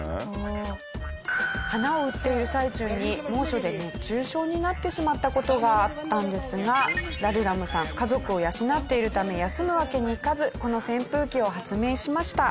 花を売っている最中に猛暑で熱中症になってしまった事があったんですがラルラムさん家族を養っているため休むわけにいかずこの扇風機を発明しました。